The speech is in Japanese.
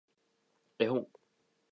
絵本